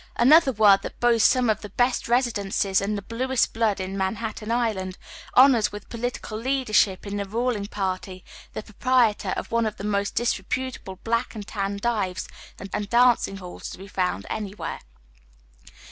Another ward, that boasts some of tlie best residences and the bluest blood on Manhattan oy Google THE IIBIGN OP BUM. 213 Island, honors with political leadership in the ruliog party the proprietor of one of the most disreputable Black and Tan dives and dancing hells to be found anywhere.